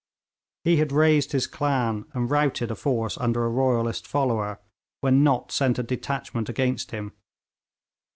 He had raised his clan and routed a force under a royalist follower, when Nott sent a detachment against him.